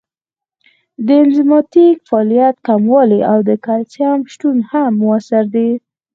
د انزایمټیک فعالیت کموالی او د کلسیم شتون هم مؤثر دی.